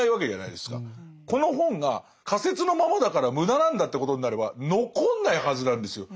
この本が仮説のままだから無駄なんだってことになれば残んないはずなんですよ。